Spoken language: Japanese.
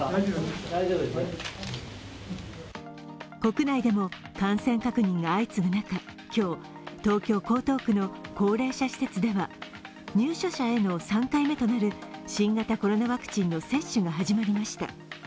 国内でも感染確認が相次ぐ中、今日、東京・江東区の高齢者施設では入所者への３回目となる新型コロナワクチンの接種が始まりました。